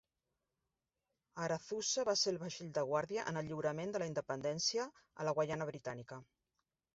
Arethusa va ser el vaixell de guàrdia en el lliurament de la independència a la Guaiana Britànica.